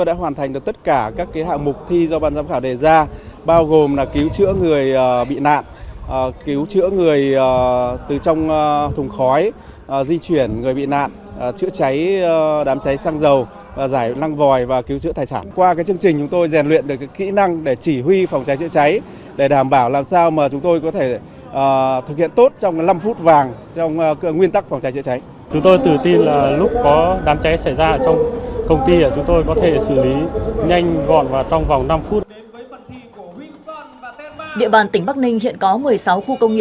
điện bàn tỉnh bắc ninh hiện có một mươi sáu khu công nghiệp tập trung